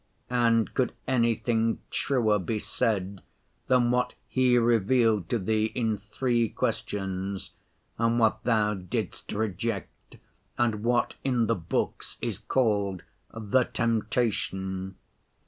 And could anything truer be said than what he revealed to Thee in three questions and what Thou didst reject, and what in the books is called "the temptation"?